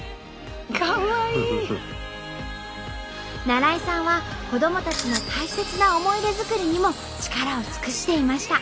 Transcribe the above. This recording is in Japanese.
那良伊さんは子どもたちの大切な思い出作りにも力を尽くしていました。